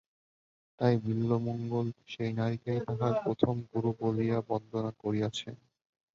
তাই বিল্বমঙ্গল সেই নারীকেই তাঁহার প্রথম গুরু বলিয়া বন্দনা করিয়াছেন।